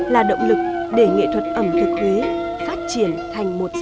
là động lực để nghệ thuật ẩm thực huế phát triển thành một sản phẩm